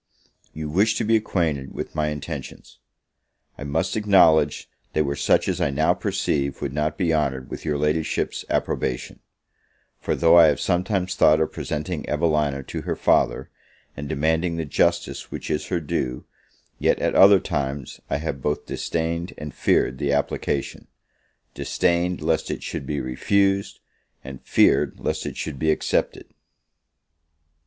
You wish to be acquainted with my intentions. I must acknowledge they were such as I now perceive would not be honoured with your Ladyship's approbation; for though I have sometimes thought of presenting Evelina to her father, and demanding the justice which is her due, yet, at other times, I have both disdained and feared the application; disdained lest it should be refused; and feared, lest it should be accepted!